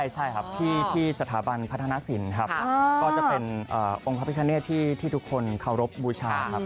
ใช่ครับที่สถาบันพัฒนศิลป์ครับก็จะเป็นองค์พระพิคเนตที่ทุกคนเคารพบูชาครับ